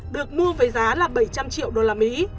được mua với giá là bảy trăm linh triệu đô la mỹ